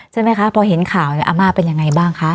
ใช่ไหมคะพอเห็นข่าวเนี่ยอาม่าเป็นยังไงบ้างคะ